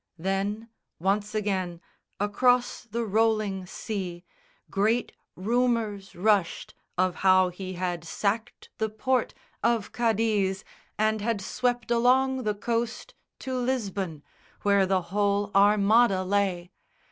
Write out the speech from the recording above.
Then, once again, across the rolling sea Great rumours rushed of how he had sacked the port Of Cadiz and had swept along the coast To Lisbon, where the whole Armada lay.